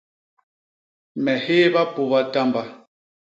Me hééba puba tamba.